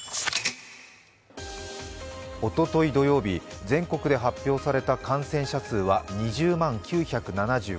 おととい土曜日、全国で発表された感染者数は２０万９７５人。